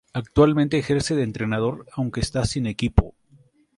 Actualmente ejerce de entrenador, aunque está sin equipo.